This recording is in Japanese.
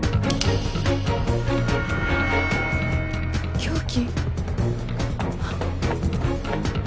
凶器。